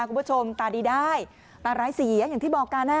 คุณผู้ชมตาดีได้ตาร้ายเสียอย่างที่บอกกัน